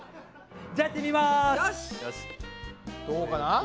どうかな？